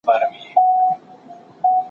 مړينه په پردي ښار کې وشوه.